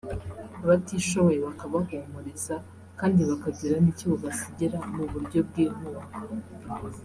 abatishoboye bakabahumuriza kandi bakagira n’icyo babasigira mu buryo bw’inkunga